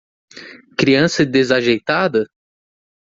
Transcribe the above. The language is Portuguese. Criança desajeitada?